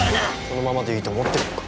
このままでいいと思ってるのか？